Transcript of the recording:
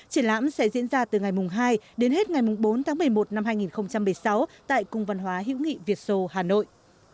triển lãm sẽ diễn ra từ ngày hai đến hết ngày bốn tháng một mươi một năm hai nghìn một mươi sáu tại cung văn hóa hữu nghị việt sô hà nội